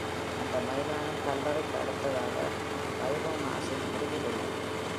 இந்த மைதானம் கல்லறைக்கு அடுத்ததாக, வைரோனாஸின் முடிவில் உள்ளது.